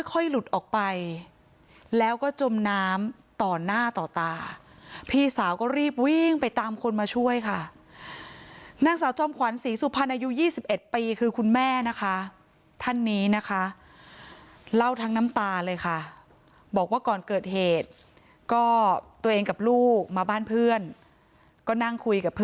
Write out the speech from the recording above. แบงค์อายุก็เลยลงไปช่วยแล้วหลังจากน้องแบงค์อายุก็เลยลงไปช่วยแล้วหลังจากน้องแบงค์อายุก็เลยลงไปช่วยแล้วหลังจากน้องแบงค์อายุก็เลยลงไปช่วยแล้วหลังจากน้องแบงค์อายุก็เลยลงไปช่วยแล้วหลังจากน้องแบงค์อายุก็เลยลงไปช่วยแล้วหลังจากน้องแบงค์อายุก็เลยลงไปช่วยแล้วหลังจากน้องแบงค์อายุก็เลย